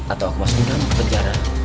atau aku masukin kamu ke penjara